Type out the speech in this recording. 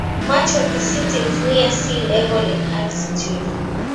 Much of the city is near sea level in altitude.